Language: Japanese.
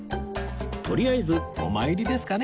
とりあえずお参りですかね？